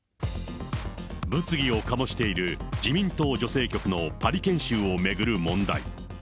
物議を醸している自民党女性局のパリ研修を巡る問題。